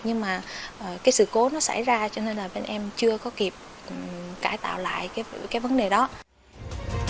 nhưng mà cái sự cố nó xảy ra cho nên là bên em chưa có kịp cải tạo lại